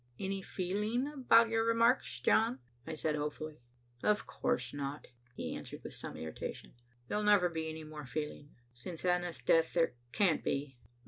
"Any feeling about your remarks, John?" I said hopefully. "Of course not," he answered with some irritation. "There'll never be any more feeling. Since Anna's death there can't be.